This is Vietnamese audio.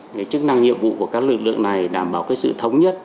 cái chức năng nhiệm vụ của các lực lượng này đảm bảo cái sự thống nhất